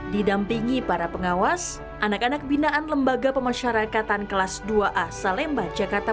didampingi para pengawas anak anak binaan lembaga pemasyarakatan kelas dua a salemba jakarta